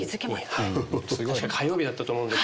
確か火曜日だったと思うんです。